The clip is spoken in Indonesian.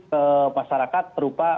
ke masyarakat terupa